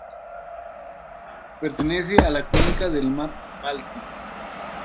Pertenece a la cuenca del mar Báltico.